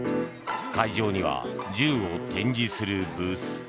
会場には、銃を展示するブース。